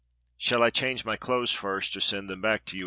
"Shall I change my clothes first or send them back to you.